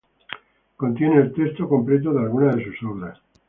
Contiene el texto completo de algunas de sus obras.